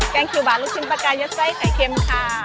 กางเขียวหวานลูกชิ้นปากกายัดใสไข่เข้มค่ะ